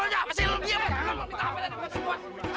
jangan minta hape dari tempat semua